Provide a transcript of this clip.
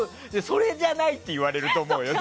それじゃない！って言われると思うよ。